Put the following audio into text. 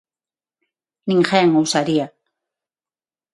Ninguén o usaría.